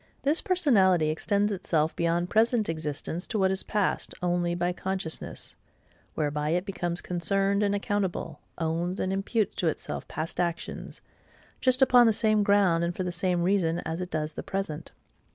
This personality extends itself beyond present existence to what is past, only by consciousness,—whereby it becomes concerned and accountable; owns and imputes to itself past actions, just upon the same ground and for the same reason as it does the present.